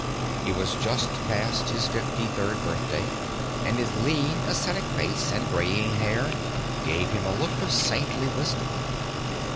He was just past his fifty third birthday, and his lean, ascetic face and graying hair gave him a look of saintly wisdom.